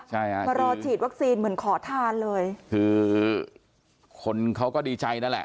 ใช่ฮะมารอฉีดวัคซีนเหมือนขอทานเลยคือคนเขาก็ดีใจนั่นแหละ